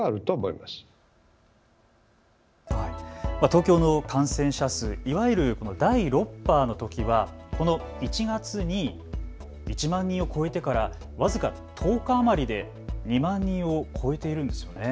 東京の感染者数、いわゆる第６波のときは１月に１万人を超えてから僅か１０日余りで２万人を超えているんですよね。